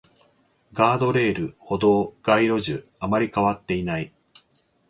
ガードレール、歩道、街路樹、あまり変わっていない